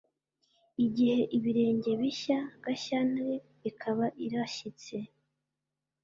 igihe ibirenge bishya gashyantare ikaba irashyitse